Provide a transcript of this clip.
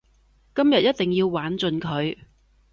今日一定要玩盡佢